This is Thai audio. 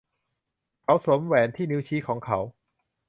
เขาสวมแหวนที่นิ้วชี้ของเขา